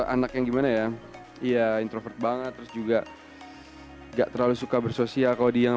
anak yang gimana ya iya introvert banget terus juga enggak terlalu suka bersosial kalau dia yang